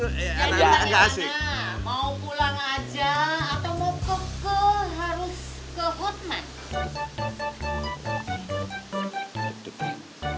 jadi tadi anak mau pulang aja atau mau ke ke harus ke hotmart